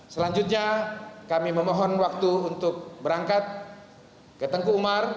selanjutnya kami memohon waktu untuk berangkat ke tengku umar